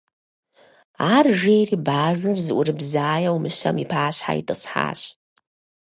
Ар жери бажэр зыӀурыбзаеу мыщэм и пащхьэ итӀысхьащ.